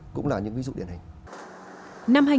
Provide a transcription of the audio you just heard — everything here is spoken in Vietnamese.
cũng là những ví dụ điển hình